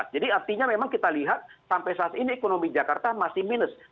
jadi artinya memang kita lihat sampai saat ini ekonomi jakarta masih minus